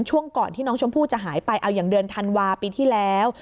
ช่วงก่อนที่น้องชมพู่จะหายไปเอาอย่างเดือนธันวาปีที่แล้ว